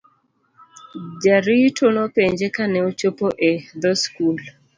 Jarito nopenje kane ochopo e dhoo skul.